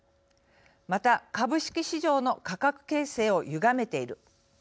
また、株式市場の価格形成をゆがめている。